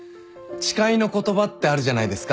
「誓いの言葉」ってあるじゃないですか。